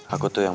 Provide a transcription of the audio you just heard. aku tuh yang